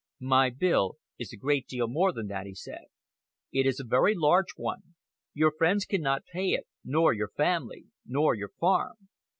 "My bill is a great deal more than that," he said. "It is a very large one. Your friends cannot pay it, nor your family, nor your farm.